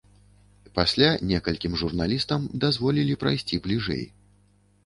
Пасля некалькім журналістам дазволілі прайсці бліжэй.